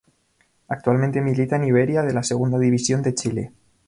Actualmente milita en Iberia de la Segunda División de Chile.